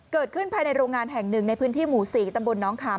ภายในโรงงานแห่งหนึ่งในพื้นที่หมู่๔ตำบลน้องขาม